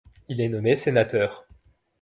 Il est nommé sénateur.